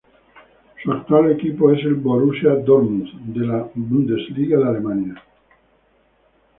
Su actual equipo es el Borussia Dortmund de la Bundesliga de Alemania.